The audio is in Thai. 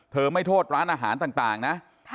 ไม่โทษร้านอาหารต่างนะ